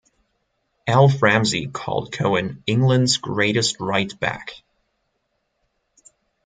Alf Ramsey called Cohen "England's greatest right back".